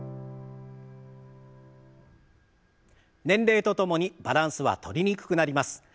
年齢とともにバランスはとりにくくなります。